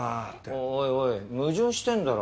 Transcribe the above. おいおい矛盾してんだろ。